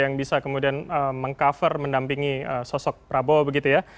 yang bisa kemudian meng cover mendampingi sosok prabowo begitu ya